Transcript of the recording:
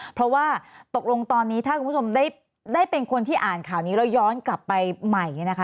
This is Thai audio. เพราะว่าตกลงตอนนี้ถ้าคุณผู้ชมได้เป็นคนที่อ่านข่าวนี้แล้วย้อนกลับไปใหม่เนี่ยนะคะ